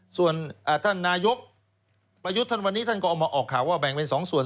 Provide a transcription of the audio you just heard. ส่วนท่านนายกประยุทธ์ท่านวันนี้ท่านก็เอามาออกข่าวว่าแบ่งเป็น๒ส่วน